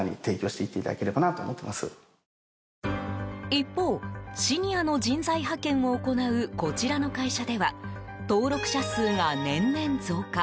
一方、シニアの人材派遣を行うこちらの会社では登録者数が年々増加。